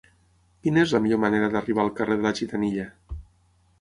Quina és la millor manera d'arribar al carrer de la Gitanilla?